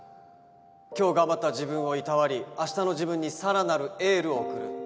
今日頑張った自分をいたわり明日の自分にさらなるエールを送る。